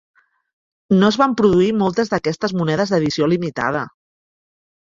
No es van produir moltes d'aquestes monedes d'edició limitada.